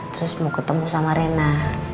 terus mau ketemu sama rena